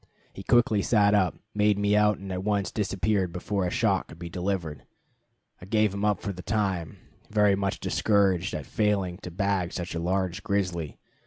He quickly sat up, made me out, and at once disappeared before a shot could be delivered. I gave him up for the time, very much discouraged at failing to bag such a large grizzly.